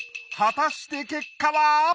果たして結果は！？